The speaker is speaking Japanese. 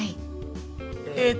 えっと。